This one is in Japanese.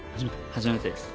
初めてです。